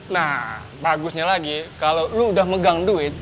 nah bagusnya lagi kalo lu udah megang duit